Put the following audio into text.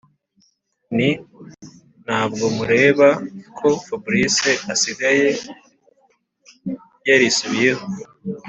Nti: ntabwo mureba ko fabrice asigaye yarisubiyeho